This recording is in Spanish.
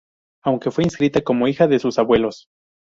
Aunque fue inscrita como hija de sus abuelos.